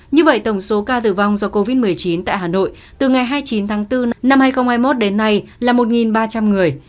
như vậy tổng số ca tử vong do covid một mươi chín tại hà nội từ ngày hai mươi chín tháng bốn năm hai nghìn hai mươi một đến nay là một ba trăm linh người